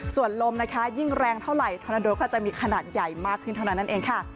ส่วนลมนะคะยิ่งแรงเท่าไหร่ธนาโดก็จะมีขนาดใหญ่มากขึ้นเท่านั้นเองค่ะ